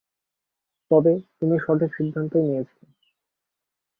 তবে, তুমি সঠিক সিদ্ধান্তই নিয়েছিলে।